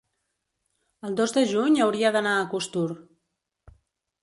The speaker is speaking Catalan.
El dos de juny hauria d'anar a Costur.